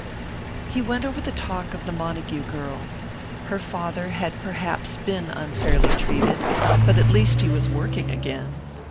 He went over the talk of the Montague girl. Her father had perhaps been unfairly treated, but at least he was working again.